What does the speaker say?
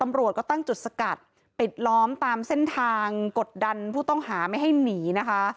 ตำรวจก็ตั้งจุดสกัดปิดล้อมตามเส้นทางกดดันผู้ต้องหาไม่ให้หนีนะคะ